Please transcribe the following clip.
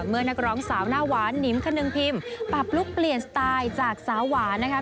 นักร้องสาวหน้าหวานนิมคนึงพิมพ์ปรับลุคเปลี่ยนสไตล์จากสาวหวานนะคะ